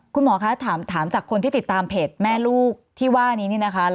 คุณหมอคะถามจากคนที่ติดตามเพจแม่ลูกที่ว่านี้นี่นะคะ